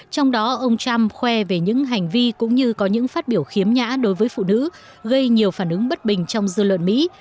trong đó ông trump khoe về những hành vi cũng như có những phát biểu khiếm nhã đối với phụ nữ gây nhiều phản ứng bất bình trong dư luận mỹ